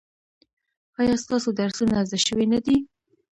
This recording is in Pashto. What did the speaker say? ایا ستاسو درسونه زده شوي نه دي؟